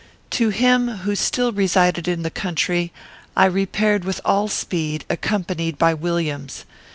To him, who still resided in the country, I repaired with all speed, accompanied by Williams.